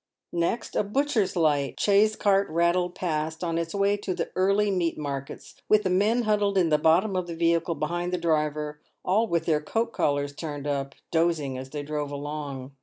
Next, a butcher's light chaise cart rattled past, on its way to the early meat markets, with the men huddled in the bottom of the vehicle, behind the driver, all with their coat collars turned up, dozing as they drove along.